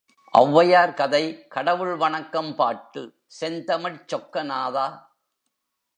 ஒளவையார் கதை கடவுள் வணக்கம் பாட்டு செந்தமிழ்ச் சொக்கநாதா!